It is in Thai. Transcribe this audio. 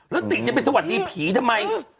แล้วตี๋จะไปสวรรค์นี้ผีทำไม